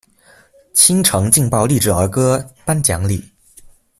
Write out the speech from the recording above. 新城劲爆励志儿歌颁奖礼。